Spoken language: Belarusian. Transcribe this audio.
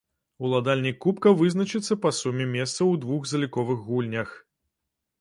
Уладальнік кубка вызначыцца па суме месцаў у двух заліковых гульнях.